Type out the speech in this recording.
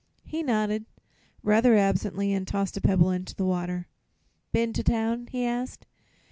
He nodded, rather absently, and tossed a pebble into the water. "Been to town?" he asked.